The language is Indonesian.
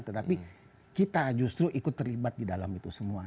tetapi kita justru ikut terlibat di dalam itu semua